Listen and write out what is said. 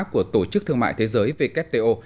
của tổ chức thương mại thế giới wto